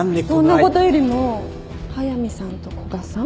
そんなことよりも速見さんと古賀さん